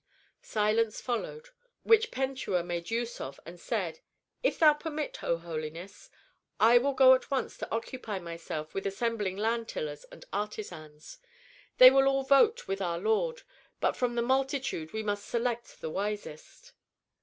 Silence followed, which Pentuer made use of, and said, "If thou permit, O holiness, I will go at once to occupy myself with assembling land tillers and artisans. They will all vote with our lord, but from the multitude we must select the wisest."